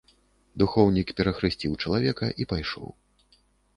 Духоўнік перахрысціў чалавека і пайшоў.